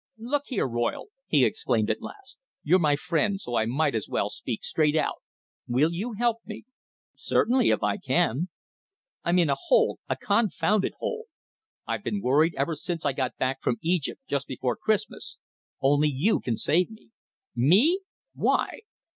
"Look here, Royle," he exclaimed at last. "You're my friend, so I may as well speak straight out. Will you help me?" "Certainly if I can." "I'm in a hole a confounded hole. I've been worried ever since I got back from Egypt just before Christmas. Only you can save me." "Me! Why?"